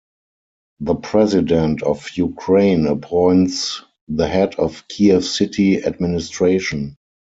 The President of Ukraine appoints the Head of Kiev City Administration.